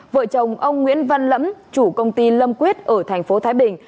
vợ chồng ông nguyễn văn lẫm chủ công ty lâm quyết ở tp thái bình